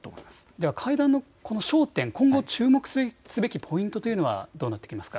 では会談の焦点、今後注目すべきポイントはどうなってきますか。